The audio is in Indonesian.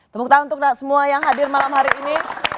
tepuk tangan untuk semua yang hadir malam hari ini